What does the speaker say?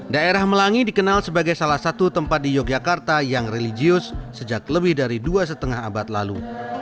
daerah melangi dikenal sebagai salah satu tempat di yogyakarta yang religius sejak lebih dari dua lima abad lalu